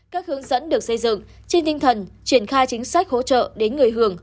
các hướng dẫn được xây dựng trên tinh thần triển khai chính sách hỗ trợ đến người hưởng